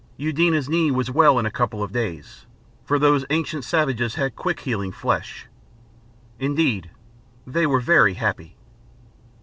Eudena's knee was well in a couple of days, for those ancient savages had quick healing flesh. Indeed, they were very happy.